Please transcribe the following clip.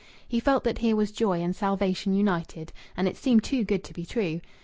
He felt that here was joy and salvation united, and it seemed too good to be true.